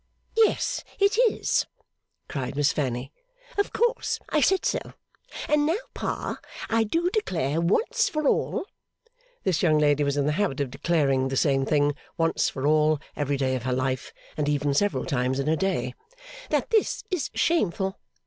'Yes it is!' cried Miss Fanny. 'Of course! I said so! And now, Pa, I do declare once for all' this young lady was in the habit of declaring the same thing once for all every day of her life, and even several times in a day 'that this is shameful!